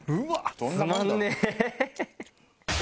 つまんねえ。